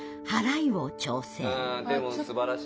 でもすばらしい。